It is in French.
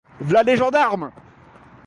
V'là les gendarmes!